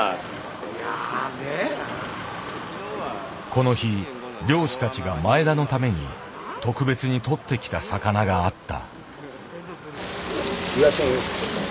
この日漁師たちが前田のために特別にとってきた魚があった。